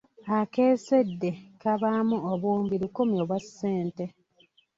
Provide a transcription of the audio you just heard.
Akeesedde kabaamu obuwumbi lukumi obwa ssente.